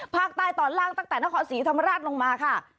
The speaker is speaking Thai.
ภาคใต้ตอนล่างตั้งแต่นครศรีธรรมราชลงมาค่ะ